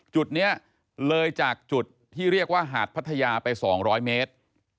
จุดนี้เลยจากจุดที่เรียกว่าหาดพัทยาไป๒๐๐เมตร